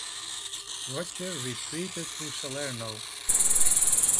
Roger retreated to Salerno.